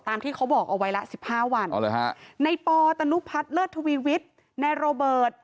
ที่เขาบอกเอาไว้ละ๑๕วันในปตนุพัฒน์เลิศทวีวิทย์ในโรเบิร์ต